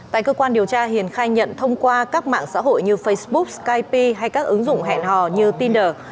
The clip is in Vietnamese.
tại cơ quan điều tra hiền khai nhận thông qua các mạng xã hội như facebook kp hay các ứng dụng hẹn hò như tind